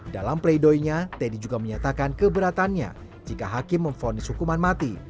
dalam play dohnya teddy juga menyatakan keberatannya jika hakim memfonis hukuman mati